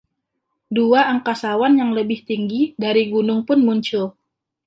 Dua angkasawan yang lebih tinggi dari gunung pun muncul.